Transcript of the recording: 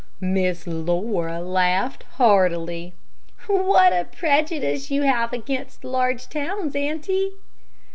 Miss Laura laughed heartily "What a prejudice you have against large towns, auntie."